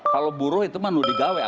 kalau buruh itu menurut di gawe